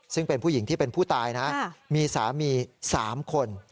ซึ่งเป็นผู้หญิงที่เป็นผู้ตายนะมีสามี๓คน